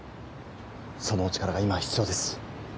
そのお力が今は必要です